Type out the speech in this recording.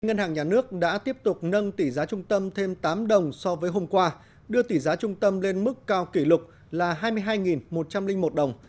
ngân hàng nhà nước đã tiếp tục nâng tỷ giá trung tâm thêm tám đồng so với hôm qua đưa tỷ giá trung tâm lên mức cao kỷ lục là hai mươi hai một trăm linh một đồng